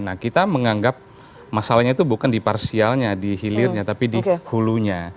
nah kita menganggap masalahnya itu bukan di parsialnya di hilirnya tapi di hulunya